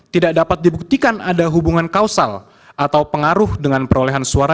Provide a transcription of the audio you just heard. tidak dapat dibuktikan ada hubungan kausal atau pengaruh dengan perolehan suara